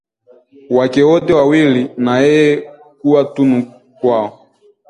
wake wote wawili na yeye kuwa tunu kwao